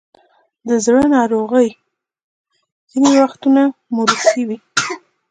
د زړه ناروغۍ ځینې وختونه موروثي وي.